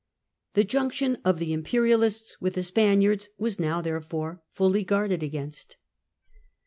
The junction of the imperialists with the Spaniards was now flnerefore fully guarded against.